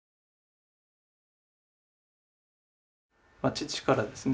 父からですね